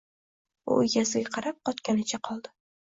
U egasiga qarab qotganicha qoldi.